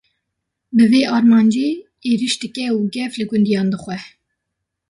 Bi vê armancê, êrîş dike û gef li gundiyan dixwe